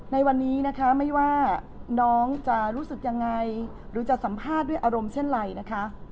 ในวันนี้นะคะไม่ว่าน้องจะรู้สึกยังไงหรือจะสัมภาษณ์ด้วยอารมณ์เช่นไรนะคะ